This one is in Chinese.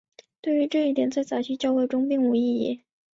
对于这一点在早期教会中并无异议。